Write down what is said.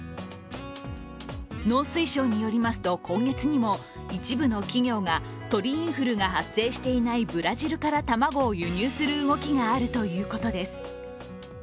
農水省によりますと、今月にも一部の企業が鳥インフルが発生していないブラジルから卵を輸入する動きがあるということです。